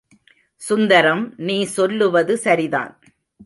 சுந்தரம் நீ சொல்லுவது சரிதான்.